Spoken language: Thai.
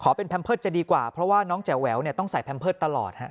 เป็นแพมเพิร์ตจะดีกว่าเพราะว่าน้องแจ๋วแววเนี่ยต้องใส่แพมเพิร์ตตลอดฮะ